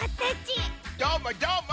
どーもどーも！